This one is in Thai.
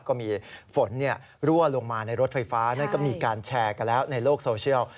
ก็มีฝนรั่วลงมาในรถไฟฟ้านั่นก็มีการแชร์กันแล้วในโลกโซเชียล